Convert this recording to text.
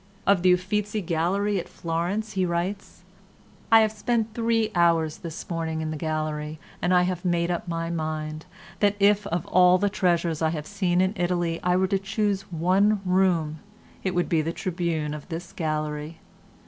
Of the Uffizi Gallery at Florence he writes: "I have spent three hours this morning in the gallery and I have made up my mind that if of all the treasures I have seen in Italy I were to choose one room it would be the Tribune of this gallery.